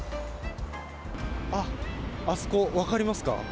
あっ、あすこ、分かりますか。